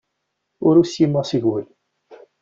Ur usimeɣ seg-wen.